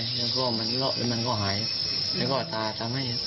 แล้วก็มันเละแล้วมันก็หายแล้วก็ตาทำให้